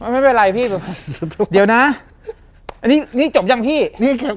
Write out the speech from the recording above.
ไม่เป็นไรพี่เดี๋ยวนะอันนี้นี่จบยังพี่นี่ครับ